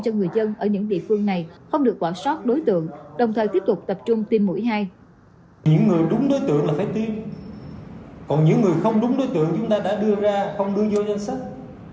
còn những người không đúng đối tượng chúng ta đã đưa ra không đưa vô danh sách